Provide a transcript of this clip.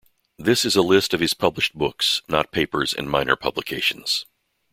This is a list of his published books, not papers and minor publications.